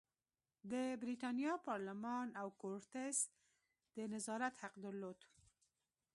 د برېتانیا پارلمان او کورتس د نظارت حق درلود.